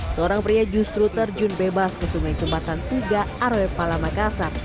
seorang pria justru terjun bebas ke sungai jembatan tiga arwe pala makassar